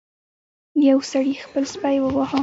یو سړي خپل سپی وواهه.